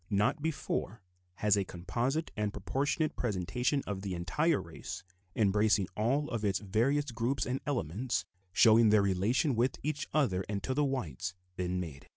Not before has a composite and proportionate presentation of the entire race, embracing all of its various groups and elements, showing their relations with each other and to the whites, been made.